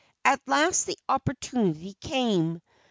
At last the opportunity came.